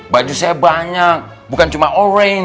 baju saya banyak bukan cuma orange